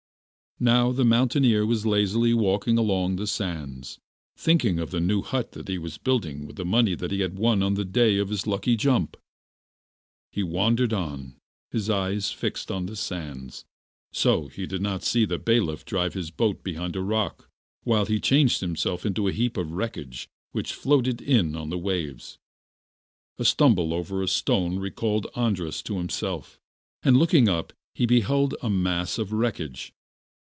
Now the mountaineer was lazily walking along the sands, thinking of the new hut that he was building with the money that he had won on the day of his lucky jump. He wandered on, his eyes fixed on the sands, so that he did not see the bailiff drive his boat behind a rock, while he changed himself into a heap of wreckage which floated in on the waves. A stumble over a stone recalled Andras to himself, and looking up he beheld the mass of wreckage.